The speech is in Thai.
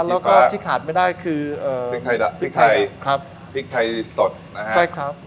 แล้วก็ที่ขาดไม่ได้คือเอ่อพริกไทยครับพริกไทยสดนะครับใช่ครับ